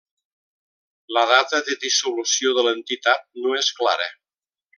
La data de dissolució de l'entitat no és clara.